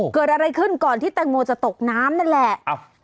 เกิดอะไรขึ้นก่อนที่แตงโมจะตกน้ำนั่นแหละ